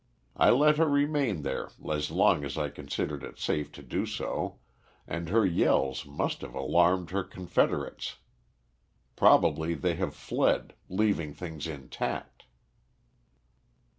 I let her remain there as long as I considered it safe to do so, and her yells must have alarmed her confederates. Probably they have fled, leaving things intact."